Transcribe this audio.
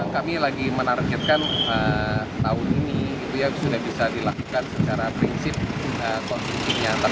kami lagi menargetkan tahun ini itu ya sudah bisa dilakukan secara prinsip konsumsi nyata